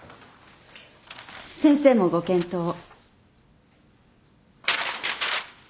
先生もご検討を。